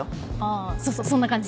あそうそうそんな感じ。